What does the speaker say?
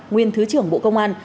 nguyên thứ trưởng bộ công an